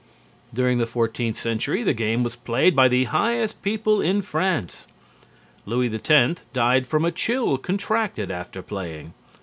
During the Fourteenth Century the game was played by the highest people in France. Louis X died from a chill contracted after playing.